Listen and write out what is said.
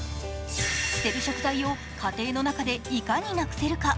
捨てる食材を家庭の中でいかになくせるか。